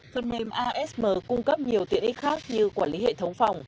phần mềm asm cung cấp nhiều tiện ích khác như quản lý hệ thống phòng